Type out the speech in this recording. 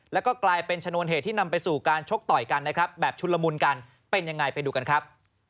แล้วก็กลายเป็นชนวนเหตุที่นำไปสู่การชกต่อยกันนะครับแบบชุนละมุนกันเป็นยังไงไปดูกันครับ